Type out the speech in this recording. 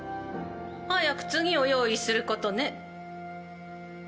早く次を用意することね。